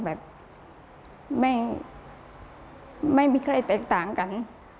แบบไม่มีใครแตกต่างกัน